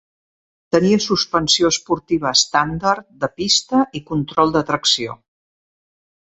Tenia suspensió esportiva estàndard de pista i control de tracció.